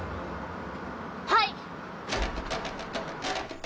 はい！